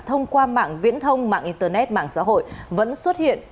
thông qua mạng viễn thông mạng internet mạng xã hội vẫn xuất hiện